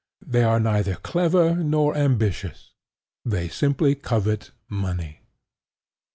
They are neither clever nor ambitious: they simply covet money.